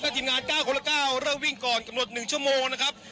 ทีมงาน๙คนละ๙เริ่มวิ่งก่อนกำหนด๑ชั่วโมงนะครับ